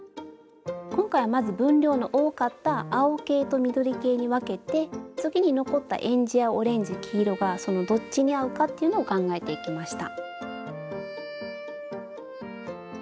今回はまず分量の多かった青系と緑系に分けて次に残ったえんじやオレンジ黄色がそのどっちに合うかっていうのを考えていきました。